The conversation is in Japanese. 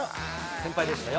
先輩でしたよ。